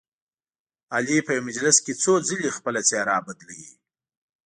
علي په یوه مجلس کې څو ځلې خپله څهره بدلوي.